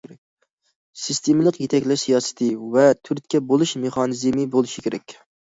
سىستېمىلىق يېتەكلەش سىياسىتى ۋە تۈرتكە بولۇش مېخانىزمى بولۇشى كېرەك.